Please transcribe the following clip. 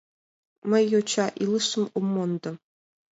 Мый йоча илышым ом мондо.